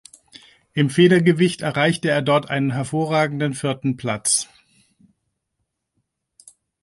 Im Federgewicht erreichte er dort einen hervorragenden vierten Platz.